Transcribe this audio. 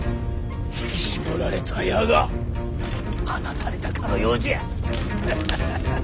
引き絞られた矢が放たれたかのようじゃ。ハハハハハハハ。